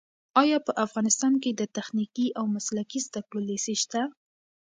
ایا په افغانستان کې د تخنیکي او مسلکي زده کړو لیسې شته؟